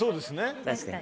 確かに。